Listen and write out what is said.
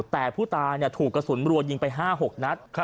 แต่ผู้ตายถูกกระสุนรัวยิงไป๕๖นัด